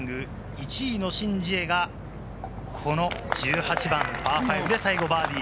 １位のシン・ジエがこの１８番、パー５で最後バーディー。